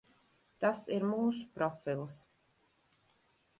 Tas ir mūsu profils.